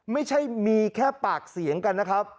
ไม่ใช่มีแค่ปากเสียงกันนะครับ